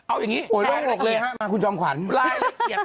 อันนี้แค่อีกหน่วง